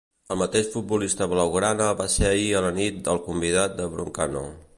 El mateix futbolista blaugrana va ser ahir a la nit el convidat de Broncano.